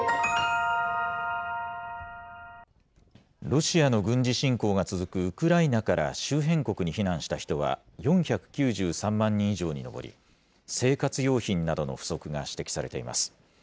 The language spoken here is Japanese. ロシアの軍事侵攻が続くウクライナから周辺国に避難した人は４９３万人以上に上り、生活用品などの不足が指摘されています。